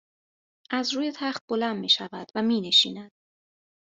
از روی تخت بلند میشود و مینشیند